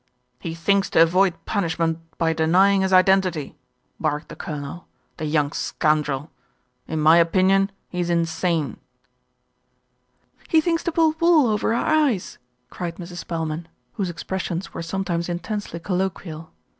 "He thinks to avoid punishment by denying his iden tity," barked the Colonel, "the young scoundrel. In my opinion he's insane." LITTLE BILSTEAD SITS IN JUDGMENT 115 u He thinks to pull wool over our eyes," cried Mrs. Spelman, whose expressions were sometimes intensely colloquial.